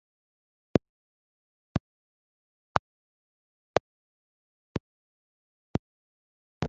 Umukozi akoreshwa kugirango agufashe kwihagararaho mugihe ugenda, nkinkoni.